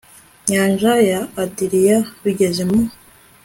nyanja ya Adiriya bigeze mu